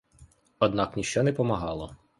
Однак ніщо не помагало.